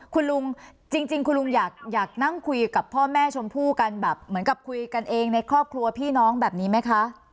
คุณลุงจริงคุณลุงอยากนั่งคุยกับพ่อแม่ชมพู่กันแบบเหมือนกับคุยกันเองในครอบครัวพี่น้องแบบนี้ไหมคะ